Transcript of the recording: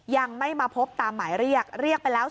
ยังไม่มาพบตามหมายเรียก